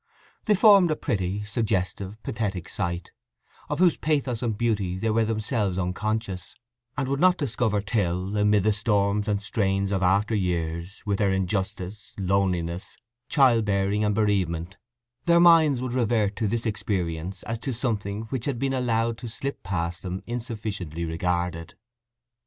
They formed a pretty, suggestive, pathetic sight, of whose pathos and beauty they were themselves unconscious, and would not discover till, amid the storms and strains of after years, with their injustice, loneliness, child bearing, and bereavement, their minds would revert to this experience as to something which had been allowed to slip past them insufficiently regarded.